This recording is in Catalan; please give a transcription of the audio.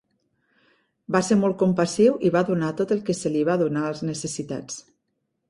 Va ser molt compassiu i va donar tot el que se li va donar als necessitats.